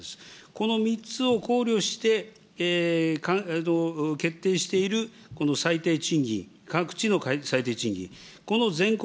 この３つを考慮して決定しているこの最低賃金、各地の最低賃金、この全国